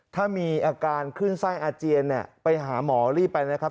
ถ้ามีอาการขึ้นไส้อาเจียนเนี่ยไปหาหมอรีบไปนะครับ